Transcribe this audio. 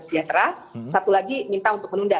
setiap terah satu lagi minta untuk menunda